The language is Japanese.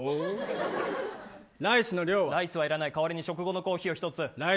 ライスはいらない代わりに食後のコーヒーを１つ。